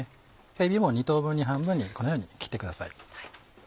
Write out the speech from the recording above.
えびも２等分半分にこのように切ってください。